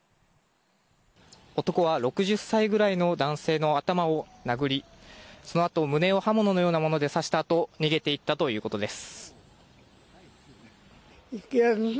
男は６０歳ぐらいの男性の頭を殴りそのあと、胸を刃物のようなもので刺したあと逃げていったということです。